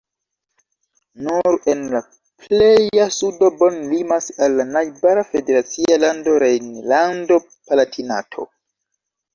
Nur en la pleja sudo Bonn limas al la najbara federacia lando Rejnlando-Palatinato.